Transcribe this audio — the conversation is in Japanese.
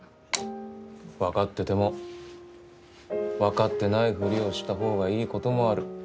分かってても分かってないふりをした方がいいこともある。